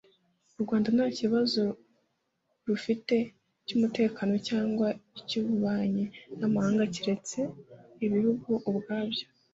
u Rwanda nta kibazo rufite cy’ umutekano cyangwa icy’ ububanyi n’ amahanga cyeretse ibihugu ubwabyo